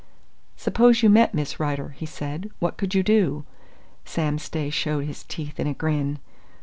"Suppose you met Miss Rider?" he said. "What could you do?" Sam Stay showed his teeth in a grin.